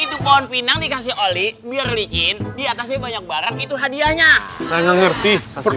itu pohon pinang dikasih olik biar licin diatasnya banyak barang itu hadiahnya saya ngerti langsung